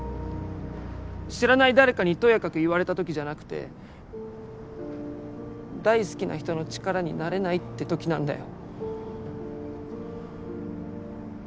知らない誰かにとやかく言われた時じゃなくて大好きな人の力になれないって時なんだよ。